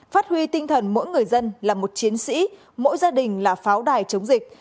phát huy tinh thần mỗi người dân là một chiến sĩ mỗi gia đình là pháo đài chống dịch